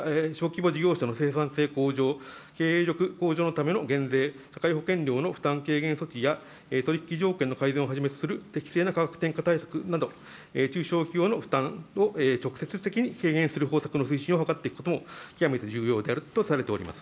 併せて中小企業・小規模事業者の生産性向上、経営力向上のための減税、社会保険料の負担軽減措置や、取り引き条件の改善をはじめとする適正な価格転嫁対策など、中小企業の負担を直接的に軽減する方策の推進を図っていくことも、極めて重要であるとされております。